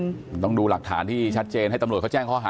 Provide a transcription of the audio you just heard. ตรวจขม่าวดินปืนต้องดูหลักฐานที่ชัดเจนให้ตำรวจเขาแจ้งข้อหา